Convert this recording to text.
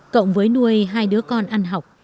cộng với nuôi hai đứa con ăn học